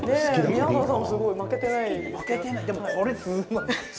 みやぞんさんも、すごい負けてない。